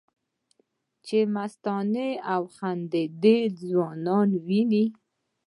چې مستانه او خندانه ځوانان وینې